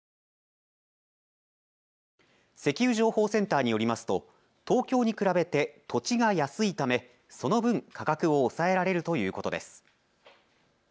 石油情報センターによりますと東京に比べて土地が安いためその分、価格を抑えられるということです。